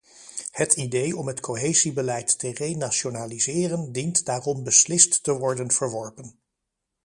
Het idee om het cohesiebeleid te renationaliseren dient daarom beslist te worden verworpen.